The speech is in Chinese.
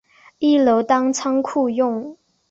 一楼当仓库用